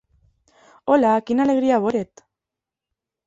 Hola! Quina alegria veure't!